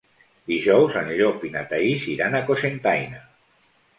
Dijous en Llop i na Thaís iran a Cocentaina.